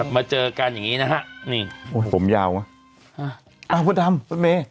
มาเจอกันอย่างงี้นะฮะนี่โอ้ยผมยาวอ่ะอ่ะพ่อดำพ่อเม